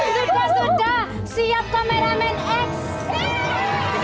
kita sudah siap kameramen x